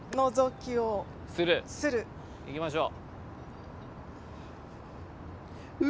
いきましょう。